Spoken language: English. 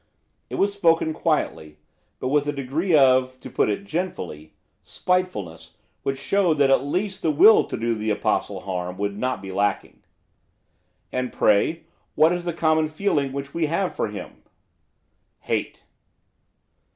It was spoken quietly, but with a degree of to put it gently spitefulness which showed that at least the will to do the Apostle harm would not be lacking. 'And, pray, what is the common feeling which we have for him?' 'Hate.